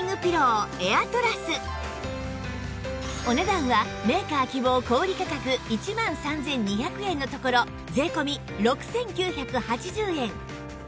お値段はメーカー希望小売価格１万３２００円のところ税込６９８０円